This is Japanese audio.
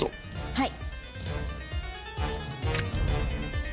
はい。